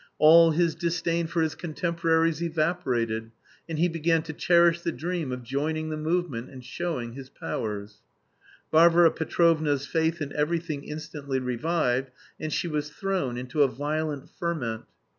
All his disdain for his contemporaries evaporated and he began to cherish the dream of joining the movement and showing his powers. Varvara Petrovna's faith in everything instantly revived and she was thrown into a violent ferment.